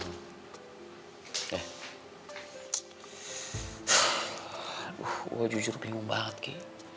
gue jujur bingung banget ki